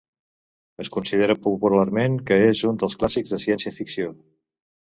Es considera popularment que és un dels clàssics de ciència-ficció.